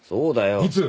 いつ。